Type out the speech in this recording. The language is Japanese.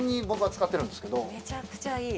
めちゃくちゃいい。